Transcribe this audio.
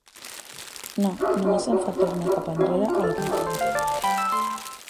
No, només em fa tornar cap enrere a la pantalla anterior.